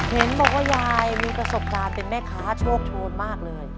เห็นบอกว่ายายมีประสบการณ์เป็นแม่ค้าโชคโชนมากเลย